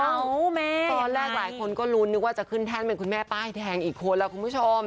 เอาแม่ตอนแรกหลายคนก็ลุ้นนึกว่าจะขึ้นแท่นเป็นคุณแม่ป้ายแดงอีกคนแล้วคุณผู้ชม